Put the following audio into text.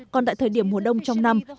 còn tại thời điểm mùa đông trong năm